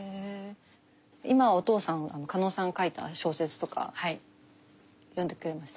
今お父さん加納さんが書いた小説とか読んでくれましたか？